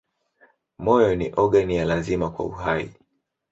Moyo ni ogani ya lazima kwa uhai.